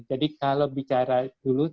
jadi kalau bicara dulu